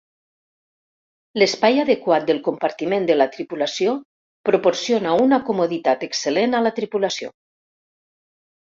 L'espai adequat del compartiment de la tripulació proporciona una comoditat excel·lent a la tripulació.